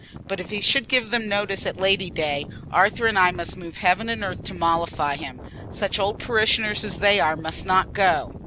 But if he should give them notice at Lady Day, Arthur and I must move heaven and earth to mollify him. Such old parishioners as they are must not go."